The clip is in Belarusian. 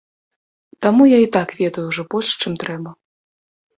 Таму я і так ведаю ўжо больш, чым трэба.